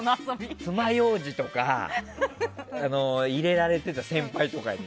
つまようじとか入れられたりした、先輩とかに。